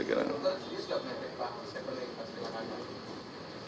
saya boleh kasih perlakuan